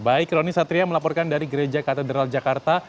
baik roni satria melaporkan dari gereja katedral jakarta